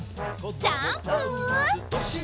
ジャンプ！